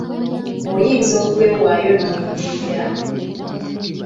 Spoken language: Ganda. Oyinza okwewaayo n‘oyimirira?